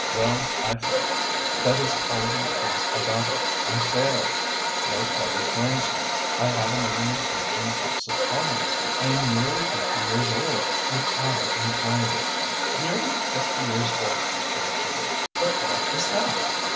Well, I failed. That is all there is about it I failed. No party claims me. I haven't even a seat in the House of Commons. I am nearly fifty years old and I am tired." "Nearly fifty years old!" she repeated. "But what is that?